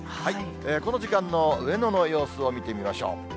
この時間の上野の様子を見てみましょう。